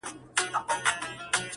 • جهاني له دې مالته مرور دي قسمتونه -